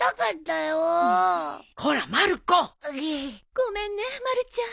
ごめんねまるちゃん。